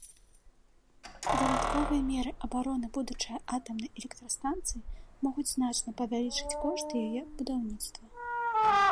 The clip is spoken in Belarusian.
Дадатковыя меры абароны будучай атамнай электрастанцыі могуць значна павялічыць кошт яе будаўніцтва.